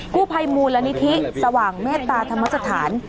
ผู้ภัยมูลนิธิสว่างเมตตาธรรมสถาน